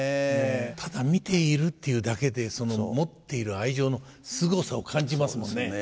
ただ見ているっていうだけでその持っている愛情のすごさを感じますもんね。